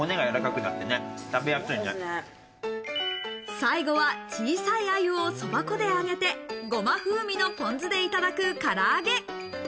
最後は小さい鮎をそば粉で揚げて、ゴマ風味のポン酢でいただく、から揚げ。